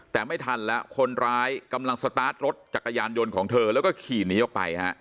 แต่ไม่ทันแล้วคนร้ายกำลังสตาร์ทรถจักรยานยนต์ของเธอแล้วก็ขี่หนีออกไปฮะ